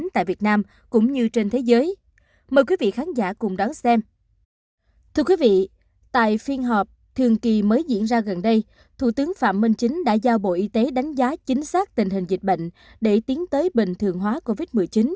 thưa quý vị tại phiên họp thường kỳ mới diễn ra gần đây thủ tướng phạm minh chính đã giao bộ y tế đánh giá chính xác tình hình dịch bệnh để tiến tới bình thường hóa covid một mươi chín